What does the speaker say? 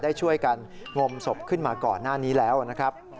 ได้ช่วยกันงมศพขึ้นมาก่อนหน้านี้แล้วนะครับ